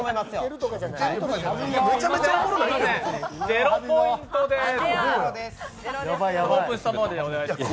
ゼロポイントです。